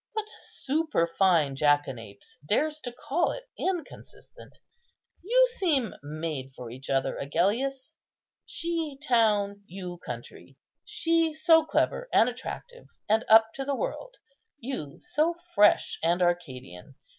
what superfine jackanapes dares to call it inconsistent? You seem made for each other, Agellius—she town, you country; she so clever and attractive, and up to the world, you so fresh and Arcadian.